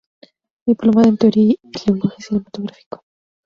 Diplomada en Teoría y Lenguaje Cinematográfico.